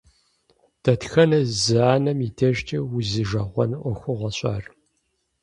Дэтхэнэ зы анэм и дежкӀи узижэгъуэн Ӏуэхугъуэщ ар.